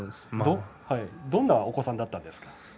どんなお子さんだったんですか？